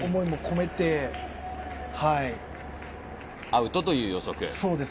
アウトという予測。